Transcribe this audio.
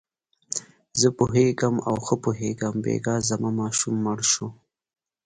زه پوهېږم او ښه پوهېږم، بېګا زما ماشوم مړ شو.